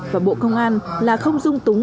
và bộ công an là không dung túng